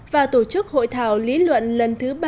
và tổ chức hội thảo lý luận lần thứ ba